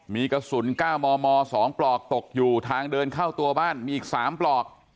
มีกระสุน๙มม๒ปลอกตกอยู่ทางเดินเข้าตัวบ้านมีอีก๓ปลอก